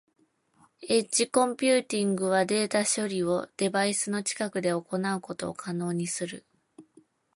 エッジコンピューティングはデータ処理をデバイスの近くで行うことを可能にする。